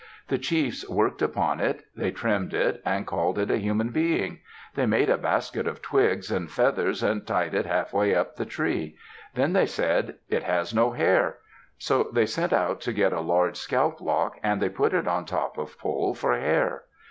The chiefs worked upon it; they trimmed it and called it a human being. They made a basket of twigs and feathers and tied it half way up the tree. Then they said, "It has no hair!" So they sent out to get a large scalp lock and they put it on top of Pole for hair.